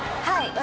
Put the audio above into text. はい。